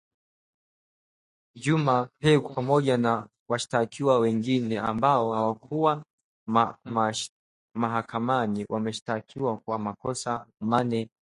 Juma Peku pamoja na washtakiwa wengine ambao hawakuwa mahakamani wameshtakiwa kwa makosa manne